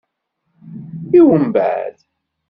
I umbeɛd?